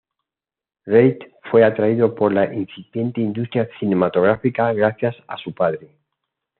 Reid fue atraído por la incipiente industria cinematográfica gracias a su padre.